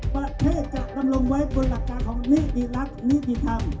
ประเทศจะดำรงไว้บนหลักการของนิติรัฐนิติธรรม